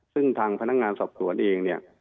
ซึ่งทางพนักงานสอบสวนเองเนี่ย